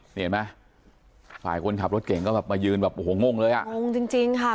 นี่เห็นไหมฝ่ายคนขับรถเก่งก็แบบมายืนแบบโอ้โหงงเลยอ่ะงงจริงจริงค่ะ